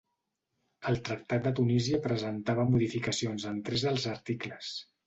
El Tractat de Tunísia presentava modificacions en tres dels articles.